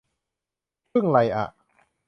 พึ่งไรอ่ะ